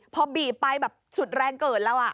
พอบีบไปแบบสุดแรงเกิดแล้ว